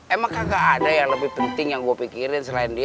emang kan nggak ada yang lebih penting yang gue mikirin selain dia